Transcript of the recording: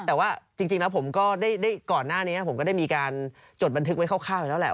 แต่ว่าจริงแล้วผมก็ได้ก่อนหน้านี้ผมก็ได้มีการจดบันทึกไว้คร่าวอยู่แล้วแหละ